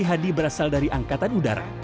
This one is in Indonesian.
pemimpin tni hadi berasal dari angkatan udara